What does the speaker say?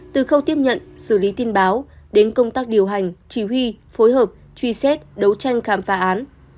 từ khâu tiếp nhận xử lý tin báo đến công tác điều hành chỉ huy phối hợp truy xét đấu tranh khám phá án